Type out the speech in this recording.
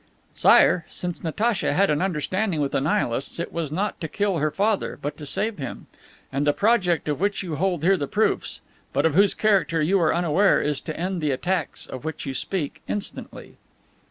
"Sire, since Natacha had an understanding with the Nihilists, it was not to kill her father, but to save him. And the project of which you hold here the proofs, but of whose character you are unaware, is to end the attacks of which you speak, instantly."